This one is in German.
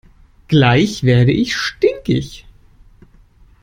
Gleich werde ich stinkig!